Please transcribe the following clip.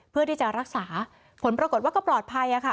เพื่อที่จะรักษาผลปรากฏว่าก็ปลอดภัยค่ะ